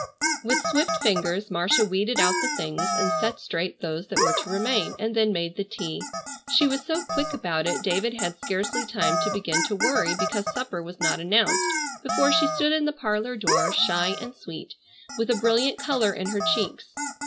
With swift fingers Marcia weeded out the things, and set straight those that were to remain, and then made the tea. She was so quick about it David had scarcely time to begin to worry because supper was not announced before she stood in the parlor door, shy and sweet, with a brilliant color in her cheeks.